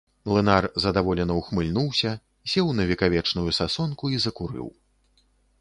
Млынар задаволена ўхмыльнуўся, сеў на векавечную сасонку і закурыў.